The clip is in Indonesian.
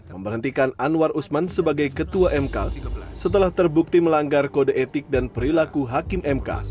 memberhentikan anwar usman sebagai ketua mk setelah terbukti melanggar kode etik dan perilaku hakim mk